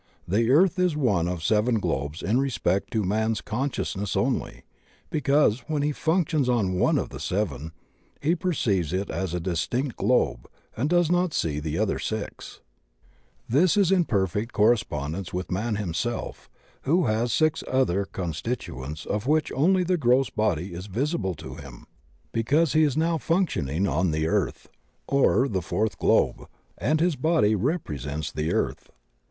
The earth is one of seven globes in respect to man's consciousness only, because when he functions on one of the seven he perceives it as a distinct globe and does not see the other six. 24 THE OCEAN OF THEOSOPHY This is in perfect correspondence with man himself who has six other constituents of which only the gross body is visible to him because he is now functioning on tht Earth— or the fourth globe — and his body rep resents the Earth.